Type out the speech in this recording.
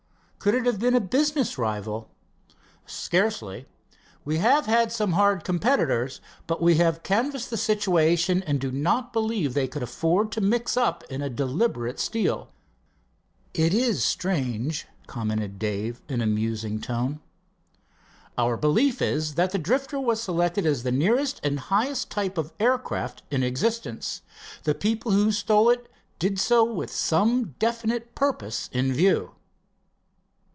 "Could it have been a business rival?" "Scarcely. We have some hard competitors, but we have canvassed the situation and do not believe they could afford to mix up in a deliberate steal." "It is strange," commented Dave, in a musing tone. "Our belief is that the Drifter was selected as the nearest and highest type of aircraft in existence. The people who stole it did so with some definite purpose in view."